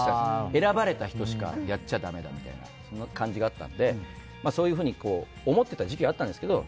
選ばれた人しかやっちゃだめだみたいな感じがあったのでそういうふうに思ってた時期があったんですけど